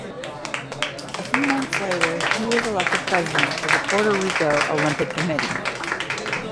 A few months later he was elected president of the Puerto Rico Olympic Committee.